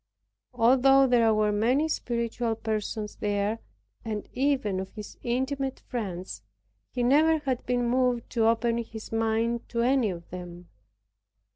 Although there were many spiritual persons there, and even of his intimate friends, he never had been moved to open his mind to any of them.